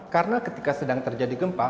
karena ketika sedang terjadi gempa